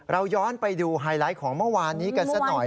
เราย้อนไปดูไฮไลท์ของเมื่อวานนี้กันสักหน่อย